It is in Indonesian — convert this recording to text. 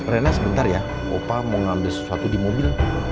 rena sebentar ya opa mau ngambil sesuatu di mobil